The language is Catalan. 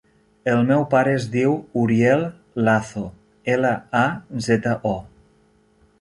El meu pare es diu Uriel Lazo: ela, a, zeta, o.